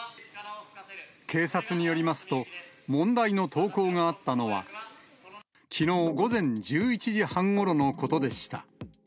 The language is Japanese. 警察によりますと、問題の投稿があったのは、きのう午前１１時半ごろのことでした。